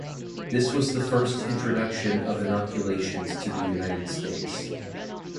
This was the first introduction of inoculations to the United States.